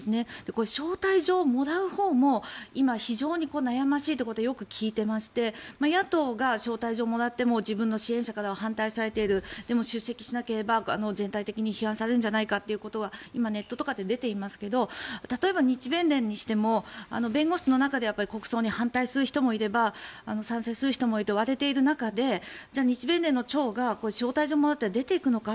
これ、招待状をもらうほうも今、非常に悩ましいということをよく聞いていまして野党が招待状をもらっても自分の支援者からは反対されているでも、出席しなければ全体的に批判されるんじゃないかということが今ネットとかで出ていますけども例えば日弁連にしても弁護士の中で国葬に反対する人もいれば賛成する人もいて割れている中で日弁連の長が招待状をもらって出ていくのか。